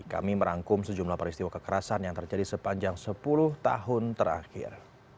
kami merangkum sejumlah peristiwa kekerasan yang terjadi sepanjang sepuluh tahun terakhir